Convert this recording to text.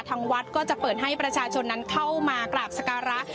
ทางวัดก็จะเปิดให้ประชาชนนั้นเข้ามากราบสการะ